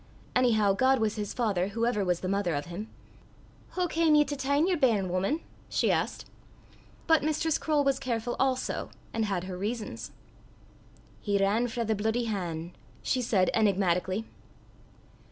Anyhow God was his Father, whoever was the mother of him. "Hoo cam ye to tyne yer bairn, wuman?" she asked. But Mistress Croale was careful also, and had her reasons. "He ran frae the bluidy han'," she said enigmatically.